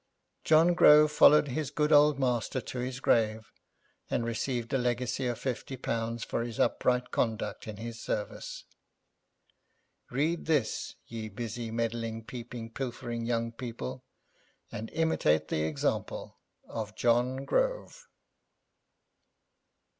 John Grove followed his good old master to his grave, and received a legacy of fifty pounds for his upright conduct in his service. Read this, ye busy, meddling, peeping, pilfering young people, and imitate the example of John Grove.